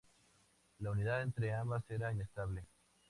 La unidad entre ambas era inestable.